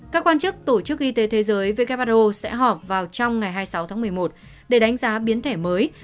các quan chức tổ chức y tế thế giới who sẽ họp vào trong ngày hai mươi sáu tháng một mươi một để đánh giá biến thể mới